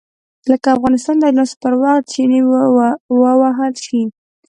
لکه افغانستان د اجناسو پر وخت چنې ووهل شي.